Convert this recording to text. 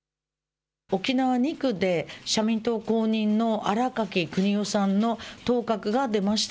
沖縄２区で社民党公認の新垣邦男さんの当確が出ました。